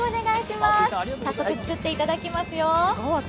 早速作っていただきますよ。